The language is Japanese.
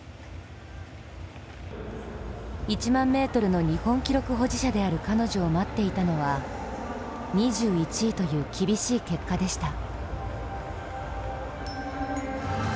１００００ｍの日本記録保持者である彼女を待っていたのは２１位という厳しい結果でした。